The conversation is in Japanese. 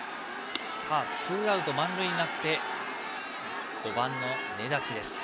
ツーアウト満塁で５番の根立です。